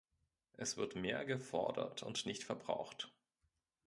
Es wird mehr gefordert und nicht verbraucht.